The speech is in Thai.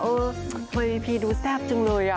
เฮ้ยพี่ดูแซ่บจังเลยอ่ะ